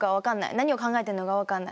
何を考えてるのか分かんない。